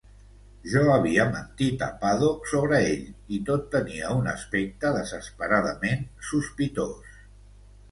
Jo havia mentit a Paddock sobre ell, i tot tenia un aspecte desesperadament sospitós.